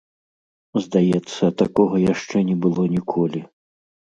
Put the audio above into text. Здаецца, такога яшчэ не было ніколі.